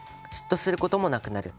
嫉妬することもなくなる。